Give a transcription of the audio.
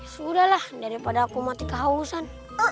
sudahlah daripada aku mati kehausan